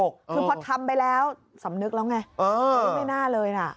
คือพอทำไปแล้วสำนึกแล้วไง